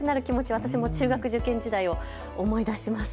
私も中学受験時代を思い出します。